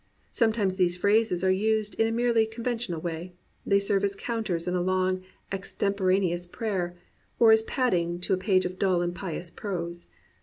Sometimes these phrases are used in a merely conventional way. They serve as counters in a long extemporaneous prayer, or as padding to a page of dull and pious prose.